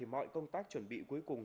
mọi công tác chuẩn bị cuối cùng